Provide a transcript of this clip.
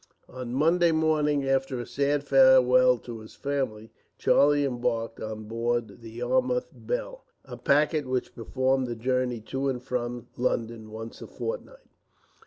On Monday morning, after a sad farewell to his family, Charlie embarked on board the Yarmouth Belle, a packet which performed the journey to and from London once a fortnight.